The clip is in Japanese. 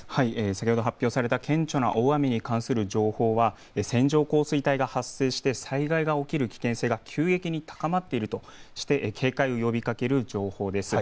先ほど発表された顕著な大雨に関する情報は線状降水帯が発生して災害が起きる危険性が急激に高まっているとして警戒を呼びかける情報です。